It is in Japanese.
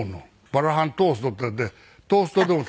バラハントーストっていってトーストでも食べられる。